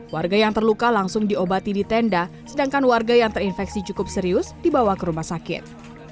warga yang terluka langsung diobati di tenda sedangkan warga yang terinfeksi cukup serius dibawa ke rumah sakit